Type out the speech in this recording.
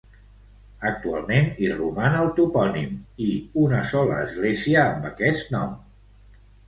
Actualment hi roman el topònim, i una sola església, amb aquest nom.